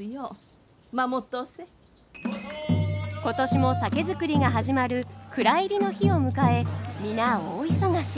今年も酒造りが始まる蔵入りの日を迎え皆大忙し。